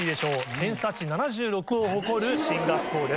偏差値７６を誇る進学校です。